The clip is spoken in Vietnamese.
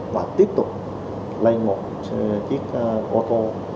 và tiếp tục lây một chiếc ô tô